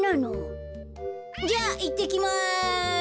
じゃあいってきます。